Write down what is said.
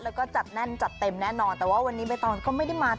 แล้วก็จัดแน่นจัดเต็มแน่นอนแต่ว่าวันนี้ใบตองก็ไม่ได้มา